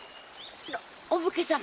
お武家様も？